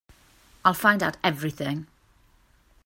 I'll find out everything.